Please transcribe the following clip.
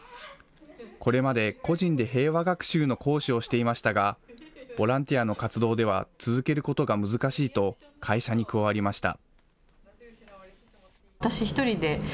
これまで個人で平和学習の講師をしていましたが、ボランティアの活動では続けることが難しいと、会社に加わりました。